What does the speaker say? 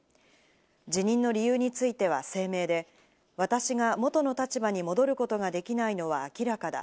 辞任の理由については声明で、私が元の立場に戻ることができないのは明らかだ。